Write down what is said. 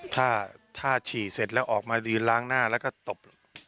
ถ้าถ้าฉี่เสร็จแล้วออกมายืนล้างหน้าแล้วก็ตบ